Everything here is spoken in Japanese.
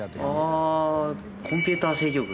コンピューター制御部？